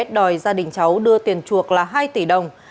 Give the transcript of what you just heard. đòi gia đình cháu đưa tiền chuộc là hai tỷ đồng